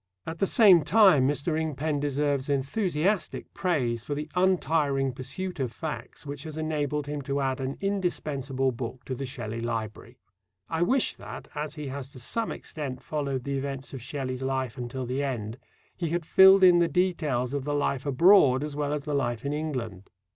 At the same time, Mr. Ingpen deserves enthusiastic praise for the untiring pursuit of facts which has enabled him to add an indispensable book to the Shelley library. I wish that, as he has to some extent followed the events of Shelley's life until the end, he had filled in the details of the life abroad as well as the life in England.